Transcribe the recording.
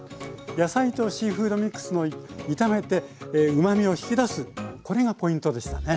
野菜とシーフードミックスの炒めてうまみを引き出すこれがポイントでしたね。